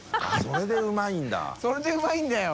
それでうまいんだよ。